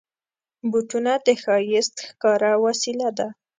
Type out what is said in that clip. بوټونه د ښایست ښکاره وسیله ده.